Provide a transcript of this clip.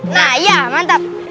nah ya mantap